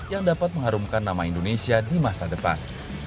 yang dapat mengharumkan nama indonesia di masa depan